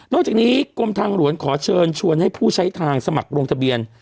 จากนี้กรมทางหลวงขอเชิญชวนให้ผู้ใช้ทางสมัครลงทะเบียน